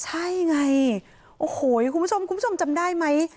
ใช่ไงโอ้โหคุณผู้ชมคุณผู้ชมจำได้ไหม